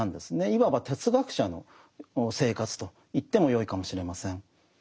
いわば哲学者の生活と言ってもよいかもしれません。